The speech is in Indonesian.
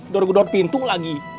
dor gor pintu lagi